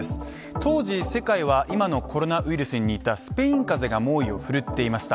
当時世界は今のコロナウイルスに似たスペイン風邪が猛威を振るっていました。